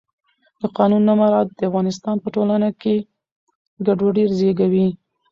د قانون نه مراعت د افغانستان په ټولنه کې ګډوډي زیږوي